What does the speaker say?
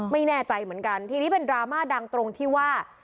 ไม่แน่ใจเหมือนกันทีนี้เป็นดราม่าดังตรงที่ว่า